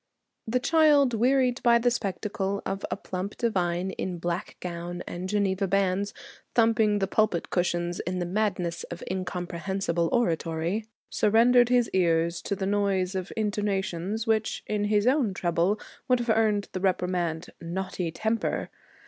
The child wearied by the spectacle of a plump divine, in black gown and Geneva bands, thumping the pulpit cushions in the madness of incomprehensible oratory, surrendered his ears to the noise of intonations which, in his own treble, would have earned the reprimand, 'Naughty temper.'